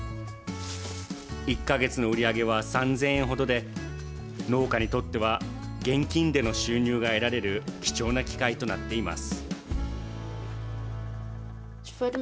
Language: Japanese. １か月の売り上げは３０００円ほどで農家にとっては現金での収入が得られる貴重な機会となっています。